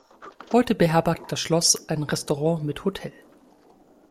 Heute beherbergt das Schloss ein Restaurant mit Hotel.